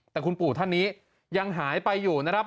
แต่คุณปู่ท่านนี้ยังหายไปอยู่นะครับ